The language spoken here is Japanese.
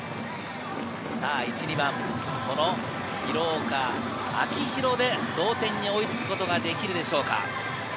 １・２番、廣岡、秋広で同点に追いつくことができるでしょうか。